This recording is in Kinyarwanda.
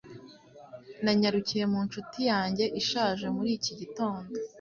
Nanyarukiye mu nshuti yanjye ishaje muri iki gitondo.